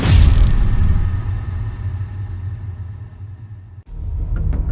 สวัสดีครับ